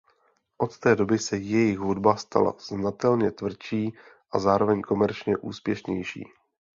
Od té doby se jejich hudba stala znatelně tvrdší a zároveň komerčně úspěšnější.